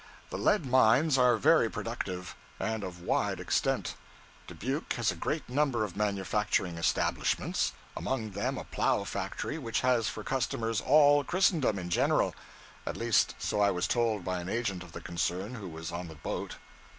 The lead mines are very productive, and of wide extent. Dubuque has a great number of manufacturing establishments; among them a plow factory which has for customers all Christendom in general. At least so I was told by an agent of the concern who was on the boat.